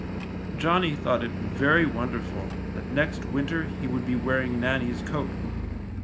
'^ Johnnie thought it very wonderful that next winter he would be wearing Nannie^s coat.